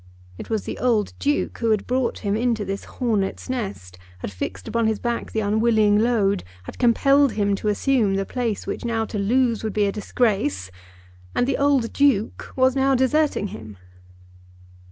It was the old Duke who had brought him into this hornets' nest; had fixed upon his back the unwilling load; had compelled him to assume the place which now to lose would be a disgrace, and the old Duke was now deserting him!